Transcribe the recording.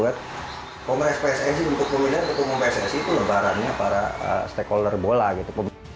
buat kongres pssi untuk pemilihan ketua umum pssi itu lebarannya para stakeholder bola gitu